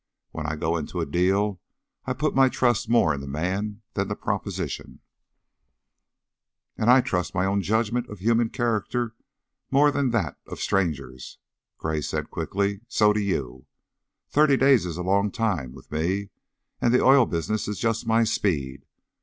When I go into a deal I put my trust more in the man than the proposition." "And I trust my own judgment of human character more than that of strangers," Gray said, quickly. "So do you. Thirty days is a long time with me, and the oil business is just my speed.